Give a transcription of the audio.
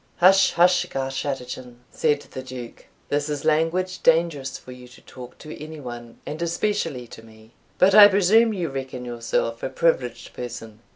"Hush! hush! Garschattachin," said the Duke; "this is language dangerous for you to talk to any one, and especially to me; but I presume you reckon yourself a privileged person.